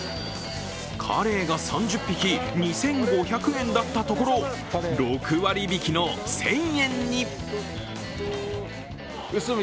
カレイが３０匹、２５００円だったところ６割引の１０００円に。